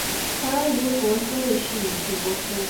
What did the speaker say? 台湾由国兴卫视引进播出。